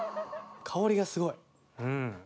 香りがすごい。